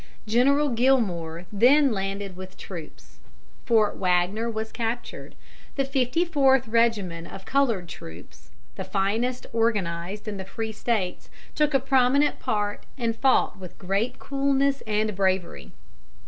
General Gillmore then landed with troops. Fort Wagner was captured. The 54th Regiment of colored troops, the finest organized in the Free States, took a prominent part and fought with great coolness and bravery.